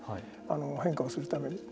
変化をするために。